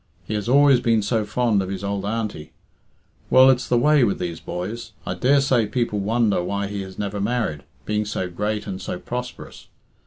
He has always been so fond of his old auntie. Well, it's the way with these boys. I daresay people wonder why he has never married, being so great and so prosperous.